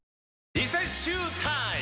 リセッシュータイム！